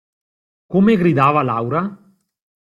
Come gridava Laura?